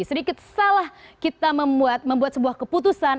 sedikit salah kita membuat sebuah keputusan